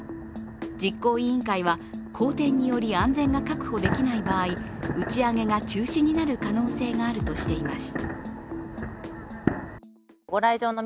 実行委員会は荒天により安全が確保できない場合、打ち上げが中止になる可能性があるとしています。